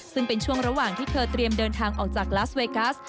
ซึ่งเป็นช่วงระหว่างที่เธอเตรียมเดินทางออกจากลาสเวกัส